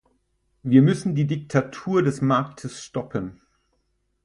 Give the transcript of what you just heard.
Wir müssen die Diktatur des Marktes stoppen.